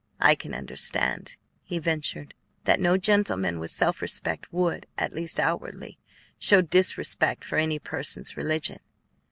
"I can understand," he ventured, "that no gentleman with self respect would, at least outwardly, show disrespect for any person's religion.